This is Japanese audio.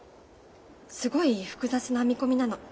すごい複雑な編み込みなの。